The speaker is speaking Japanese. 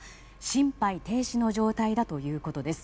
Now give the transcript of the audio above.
心肺停止の状態だということです。